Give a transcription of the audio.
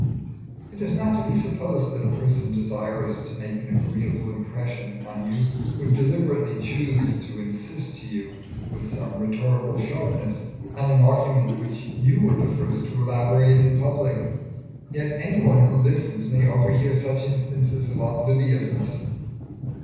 It is not to be supposed that a person desirous to make an agreeable impression on you would deliberately choose to insist to you, with some rhetorical sharpness, on an argument which you were the first to elaborate in public; yet any one who listens may overhear such instances of obliviousness.